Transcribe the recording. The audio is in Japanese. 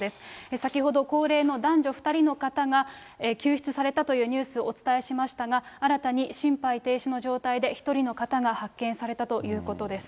先ほど高齢の男女２人の方が救出されたというニュースお伝えしましたが、新たに心肺停止の状態で１人の方が発見されたということです。